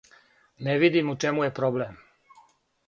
Не видим у чему је проблем.